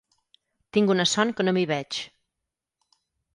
Tinc una son que no m'hi veig.